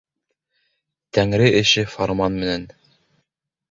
Тәңре эше фарман менән.